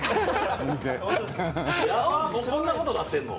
こんなことなってんの？